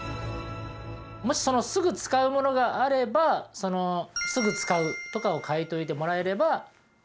もしすぐ使うものがあれば「すぐ使う」とかを書いといてもらえれば